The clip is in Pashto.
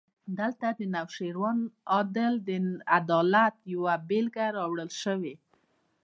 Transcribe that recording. دلته د نوشیروان عادل د عدالت یوه بېلګه راوړل شوې.